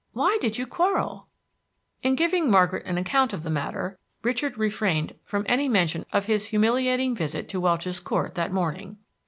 Why did you quarrel?" In giving Margaret an account of the matter, Richard refrained from any mention of his humiliating visit to Welch's Court that morning.